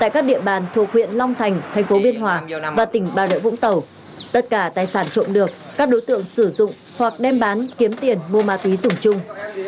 các đối tượng sử dụng hoặc đem bán kiếm tiền mua ma túy dùng chung